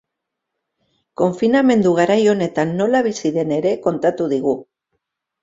Konfinamendu garai honetan nola bizi den ere kontatu digu.